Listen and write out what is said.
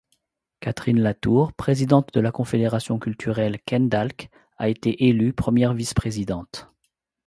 Catherine Latour, présidente de la Confédération culturelle Kendalc'h a été élue première vice-présidente.